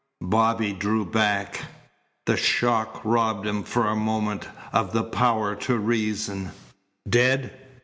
Bobby drew back. The shock robbed him for a moment of the power to reason. "Dead!